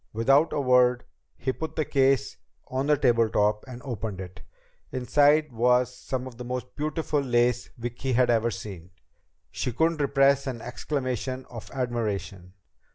Without a word, he put the case on the tabletop and opened it. Inside was some of the most beautiful lace Vicki had ever seen. She couldn't repress an exclamation of admiration.